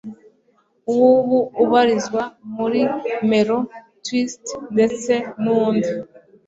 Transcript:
W ubu ubarizwa muri Melo Twist ndetse n'undi